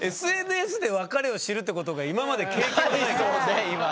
ＳＮＳで別れを知るってことが今まで経験がないから。